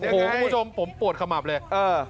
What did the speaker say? โอ้โหคุณผู้ชมผมปวดขมับเลย